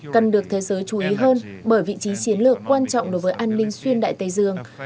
cần được thế giới chú ý hơn bởi vị trí chiến lược quan trọng đối với an ninh xuyên đại tây dương